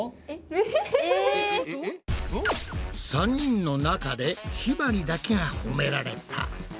３人の中でひまりだけが褒められた。